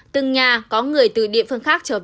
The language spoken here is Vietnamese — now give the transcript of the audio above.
từng nhà có người từ địa phương khác trở về dịp tết